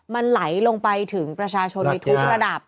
มันไหลลงไปถึงประชาชนในทุกระดับ